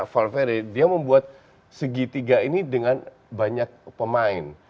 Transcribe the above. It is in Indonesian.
valvery dia membuat segitiga ini dengan banyak pemain